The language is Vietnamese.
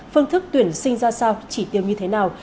phương thức tuyển sinh ra sao chỉ tiêu như thế nào